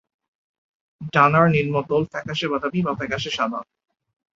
ডানার নিম্নতল ফ্যাকাশে বাদামি বা ফ্যাকাশে সাদা।